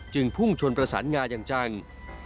พุ่งชนประสานงาอย่างจัง